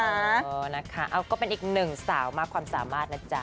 เออนะคะเอาก็เป็นอีกหนึ่งสาวมากความสามารถนะจ๊ะ